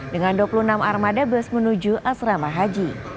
dengan dua puluh enam armada bus menuju asrama haji